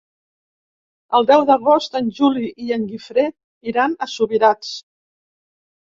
El deu d'agost en Juli i en Guifré iran a Subirats.